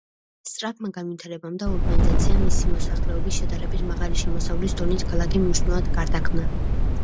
სწრაფმა განვითარებამ და ურბანიზაციამ, მისი მოსახლეობის შედარებით მაღალი შემოსავლის დონით, ქალაქი მნიშვნელოვნად გარდაქმნა.